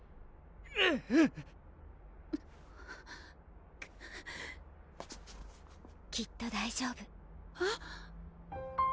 ウゥッきっと大丈夫えっ？